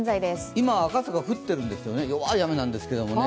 今赤坂降ってるんですよね、弱い雨なんですけどね